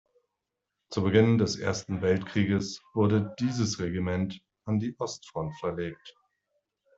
Zu Beginn des Ersten Weltkrieges wurde dieses Regiment an die Ostfront verlegt.